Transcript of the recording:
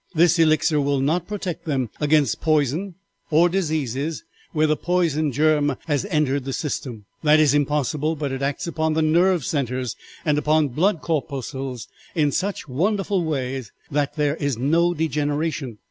This elixir will not protect them against poison or diseases where the poison germ has entered the system. That is impossible; but it acts upon the nerve centres and upon the blood corpuscles in such a wonderful way that there is no degeneration.